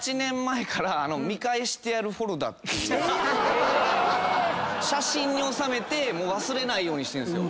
フォルダ⁉写真に収めて忘れないようにしてんすよ。